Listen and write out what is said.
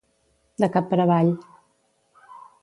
De cap per avall.